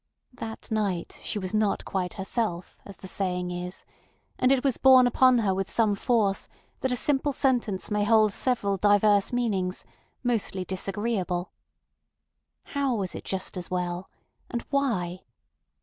That night she was "not quite herself," as the saying is, and it was borne upon her with some force that a simple sentence may hold several diverse meanings—mostly disagreeable. How was it just as well? And why?